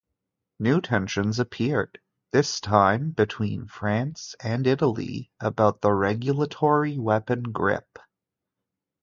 New tensions appeared, this time between France and Italy, about the regulatory weapon grip.